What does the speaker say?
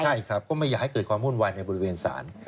ใช่ครับก็ไม่อยากให้เกิดความวุ่นวายในบริเวณศาล